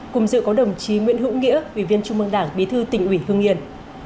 cùng dự có đồng chí nguyễn hữu nghĩa ủy viên trung mương đảng bí thư tỉnh ủy hưng yên